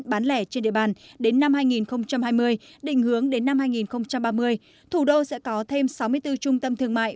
bán lẻ trên địa bàn đến năm hai nghìn hai mươi định hướng đến năm hai nghìn ba mươi thủ đô sẽ có thêm sáu mươi bốn trung tâm thương mại